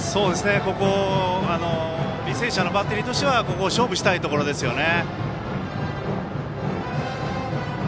ここ履正社のバッテリーとしては勝負したいところですよね。